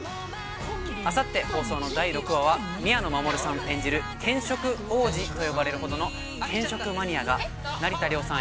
あさって放送の第６話では、宮野真守さん演じる「転職王子」と呼ばれるほどの転職マニアが成田凌さん